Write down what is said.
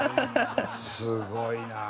すごいなあ。